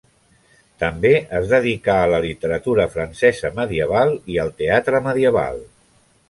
També es dedicà a la literatura francesa medieval i al teatre medieval.